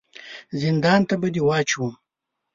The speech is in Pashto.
زندان ته به دي واچوم !